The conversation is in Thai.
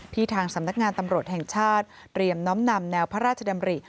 ทางสำนักงานตำรวจแห่งชาติเตรียมน้อมนำแนวพระราชดำริ